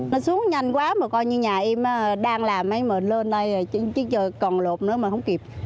nó xuống nhanh quá mà coi như nhà em đang làm mấy mà lên đây chứ còn luộc nữa mà không kịp